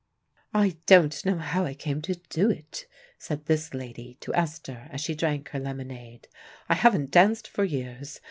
"I don't know how I came to do it," said this lady to Esther, as she drank her lemonade. "I haven't danced for years.